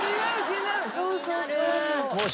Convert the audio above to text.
そう。